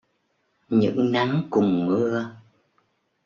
Những nắng cùng mưa